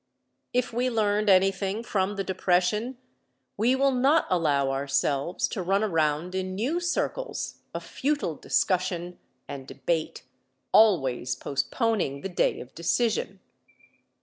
If we learned anything from the depression we will not allow ourselves to run around in new circles of futile discussion and debate, always postponing the day of decision.